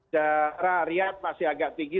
darah rakyat masih agak tinggi